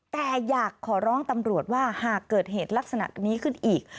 แต่อยากขอร้องตำรวจว่าหากเกิดเหตุลักษณะนี้ขึ้นอีก